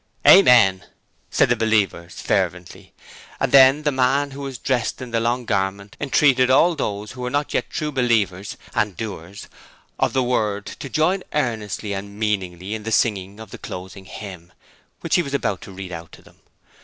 'Amen,' said the believers, fervently, and then the man who was dressed in the long garment entreated all those who were not yet true believers and doers of the word to join earnestly and MEANINGLY in the singing of the closing hymn, which he was about to read out to them.